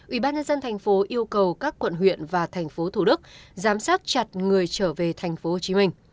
ubnd tp hcm yêu cầu các quận huyện và thành phố thủ đức giám sát chặt người trở về tp hcm